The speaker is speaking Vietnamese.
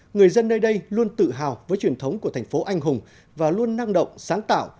người dân nơi đây luôn tự hào với truyền thống của thành phố anh hùng và luôn năng động sáng tạo